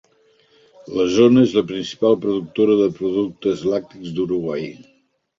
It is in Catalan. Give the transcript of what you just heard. La zona és la principal productora de productes lactis d'Uruguai.